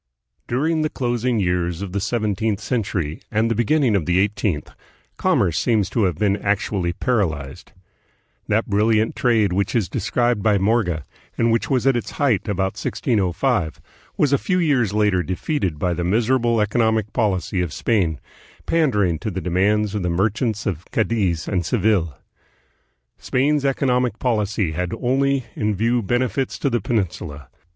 During the closing years of the seventeenth century and the beginning of the eighteenth, commerce seems to have been actually paralyzed. That brilliant trade which is described by Morga, and which was at its height about A CENTURY OF OB.SCURITY. 1663 1762. 221 1605, was a few years later defeated by the miserable economic policy of Spain, pandering to the demands of the merchants of Cadiz and Seville. Spain's economic policy had only in view benefits to the Peninsula.